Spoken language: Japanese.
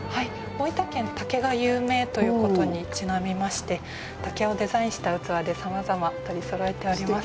大分県竹が有名ということにちなみまして竹をデザインした器でさまざま取りそろえております。